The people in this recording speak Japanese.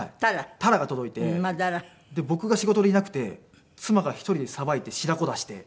タラが届いて僕が仕事でいなくて妻が１人でさばいて白子出して。